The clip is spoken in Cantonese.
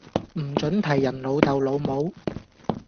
唔准提人老竇老母